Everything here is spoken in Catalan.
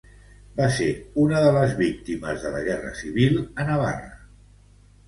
Va ser una de les víctimes de la Guerra Civil a Navarra.